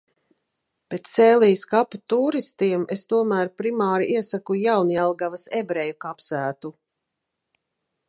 Bet Sēlijas kapu tūristiem es tomēr primāri iesaku Jaunjelgavas ebreju kapsētu.